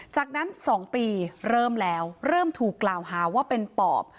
จากนั้น๒ปีเริ่มแล้วเริ่มถูกกล่าวหาว่าเป็นปอบ